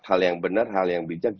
hal yang benar hal yang bijak